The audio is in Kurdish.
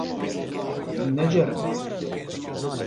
Min neceriband.